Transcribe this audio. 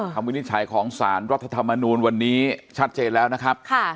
วินิจฉัยของสารรัฐธรรมนูลวันนี้ชัดเจนแล้วนะครับ